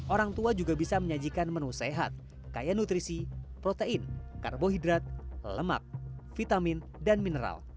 orang tua juga bisa menyajikan menu sehat kaya nutrisi protein karbohidrat lemak vitamin dan mineral